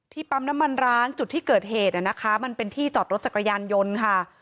ปั๊มน้ำมันร้างจุดที่เกิดเหตุนะคะมันเป็นที่จอดรถจักรยานยนต์ค่ะ